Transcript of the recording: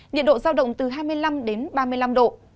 nhiệt độ giao động từ hai mươi năm đến ba mươi năm độ